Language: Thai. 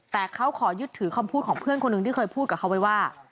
แต่เขาขอยึดถือคำพูดของเพื่อนคนหนึ่งที่เคยพูดกับเขาไว้ว่า